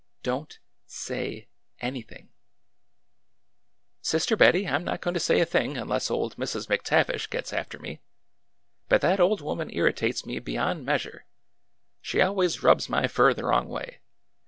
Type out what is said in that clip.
Don't— say— anything !" Sister Bettie, I 'm not going to say a thing unless old Mrs. McTavish gets after me. But that old woman ir ritates me beyond measure ! She always rubs my fur the wrong way